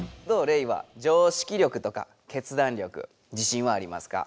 レイは常識力とか決断力自信はありますか？